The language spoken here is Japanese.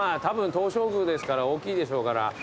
たぶん東照宮ですから大きいでしょうから。